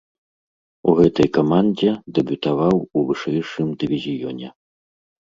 У гэтай камандзе дэбютаваў у вышэйшым дывізіёне.